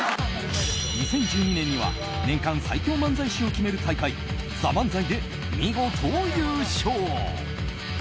２０１２年には年間最強漫才師を決める大会「ＴＨＥＭＡＮＺＡＩ」で見事優勝。